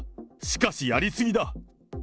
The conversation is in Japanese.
しかし、やり過ぎだ。